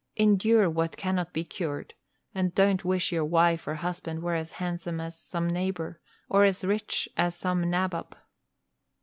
Endure what cannot be cured, and don't wish your wife or husband were as handsome as some neighbor or as rich as some nabob.